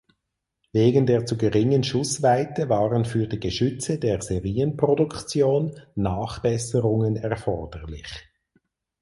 Wegen der zu geringen Schussweite waren für die Geschütze der Serienproduktion Nachbesserungen erforderlich.